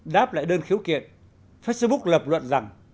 đáp lại đơn khiếu kiện facebook lập luận rằng